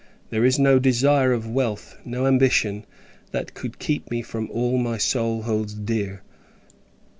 There is no desire of wealth, no ambition, that could keep me from all my soul holds dear.